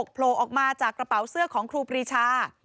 โผล่ออกมาจากกระเป๋าเสื้อของครูปรีชา